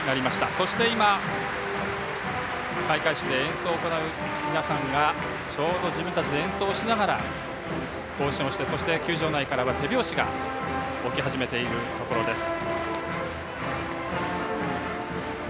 そして開会式で演奏を行う皆さんが自分たちで演奏しながら行進してそして球場内から手拍子が起き始めているところです。